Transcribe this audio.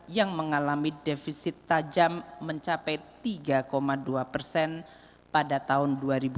yang mengalami defisit tajam mencapai tiga dua persen pada tahun dua ribu dua puluh